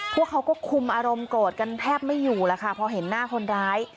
พวกเขาก็คุมอารมณ์โกรธกันแทบไม่อยู่แล้วค่ะพอเห็นหน้าคนร้าย